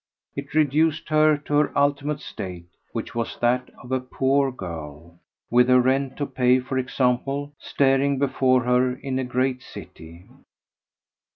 It reduced her to her ultimate state, which was that of a poor girl with her rent to pay for example staring before her in a great city.